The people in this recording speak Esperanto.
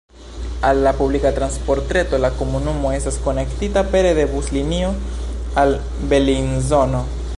Al la publika transportreto la komunumo estas konektita pere de buslinio al Belinzono.